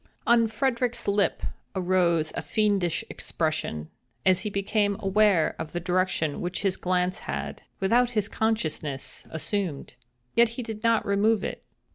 On Frederick's lip arose a fiendish expression, as he became aware of the direction which his glance had, without his consciousness, assumed. Yet he did not remove it.